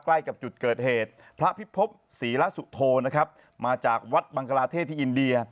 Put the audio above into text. ใกล้กับจุดเกิดเหตุพระพิภพศรีละสุโธนะครับมาจากวัดบังกลาเทศที่อินเดีย